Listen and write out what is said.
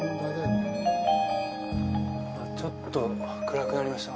ちょっと暗くなりました